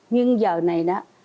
nhưng giờ này đó